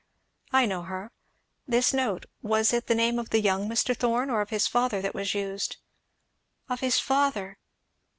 "I know her. This note was it the name of the young Mr. Thorn, or of his father that was used?" "Of his father!